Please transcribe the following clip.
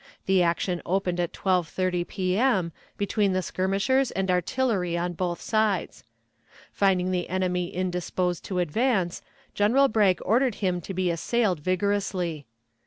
The action opened at 12.30 P.M., between the skirmishers and artillery on both sides. Finding the enemy indisposed to advance, General Bragg ordered him to be assailed vigorously.